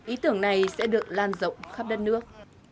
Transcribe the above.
ý tưởng này sẽ được lan rộng khắp đất nước